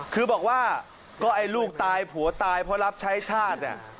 คือบอกว่าก็ไอ้ลูกตายผัวตายเพราะรับใช้ชาติเนี่ย